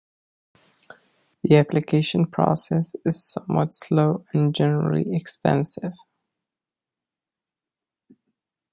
The application process is somewhat slow and generally expensive.